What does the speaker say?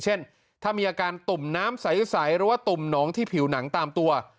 เช่นถ้ามีอาการตุ่มน้ำใสหรือว่าตุ่มหนองที่ผิวหนังตามตัว